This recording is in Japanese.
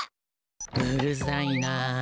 うるさいなあ。